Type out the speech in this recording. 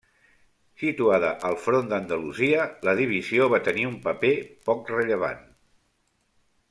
Situada al front d'Andalusia, la divisió va tenir un paper poc rellevant.